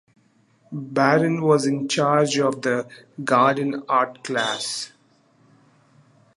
Baron was in charge of the "Garden Art Class".